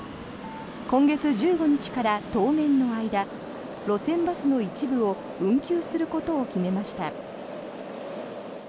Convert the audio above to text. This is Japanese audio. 今月１５日から当面の間路線バスの一部を運休することを決めました。